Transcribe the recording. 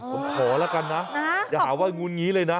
ผมขอละกันนะอย่าหาว่างูลนี้เลยนะ